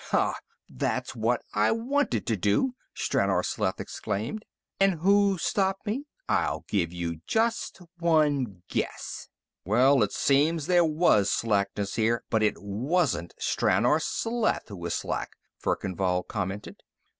"Ha, that's what I wanted to do!" Stranor Sleth exclaimed. "And who stopped me? I'll give you just one guess." "Well, it seems there was slackness here, but it wasn't Stranor Sleth who was slack," Verkan Vall commented.